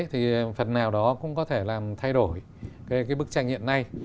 thì phần nào đó cũng có thể làm thay đổi cái bức tranh hiện nay